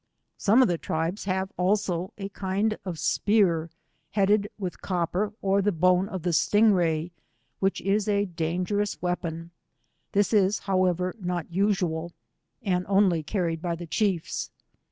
Some of the tribes have also a kind of spear headed with copper or the bone of the sting ray, which is a dangerous weapon ; this is, however, not usual, and only carried by the chiefs.